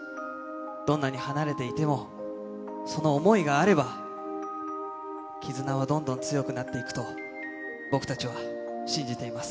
どんなに離れていても、その想いがあれば、絆はどんどん強くなっていくと、僕たちは信じています。